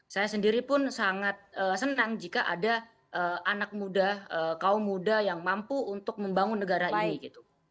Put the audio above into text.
saya sendiri pun sangat senang jika ada anak muda kaum muda yang mampu untuk membangun negara ini gitu